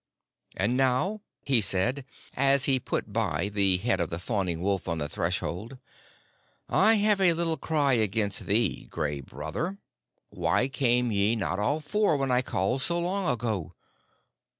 "And now," he said, as he put by the head of the fawning wolf on the threshold, "I have a little cry against thee, Gray Brother. Why came ye not all four when I called so long ago?"